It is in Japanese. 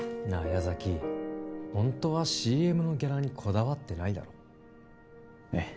矢崎ホントはＣＭのギャラにこだわってないだろえっ？